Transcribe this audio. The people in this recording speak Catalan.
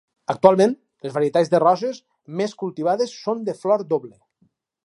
Actualment, les varietats de roses més cultivades són de flor doble.